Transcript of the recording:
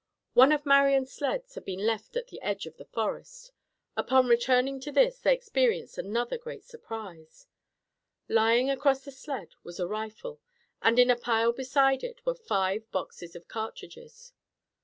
One of Marian's sleds had been left at the edge of the forest. Upon returning to this, they experienced another great surprise. Lying across the sled was a rifle, and in a pile beside it were five boxes of cartridges.